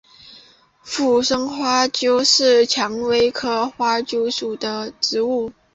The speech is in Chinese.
附生花楸为蔷薇科花楸属的植物。